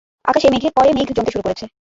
আকাশে মেঘের পরে মেঘ জমতে শুরু করেছে।